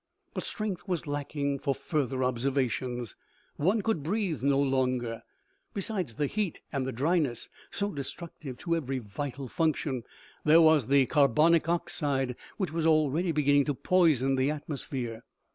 But strength was lacking for fur ther observations. One could breathe no longer. Besides the heat and the dryness, so destructive to every vital function, there was the carbonic oxide which was already beginning to poison the atmosphere.